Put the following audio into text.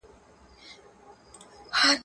معقولیت په هره برخه کي اړین دی.